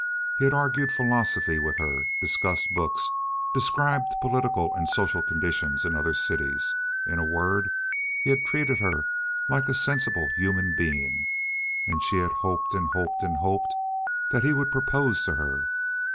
He had argued philosophy with her, discussed books, described political and social conditions in other cities—in a word, he had treated her like a sensible human being, and she had hoped and hoped and hoped that he would propose to her.